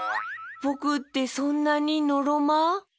ぼくってそんなにのろま？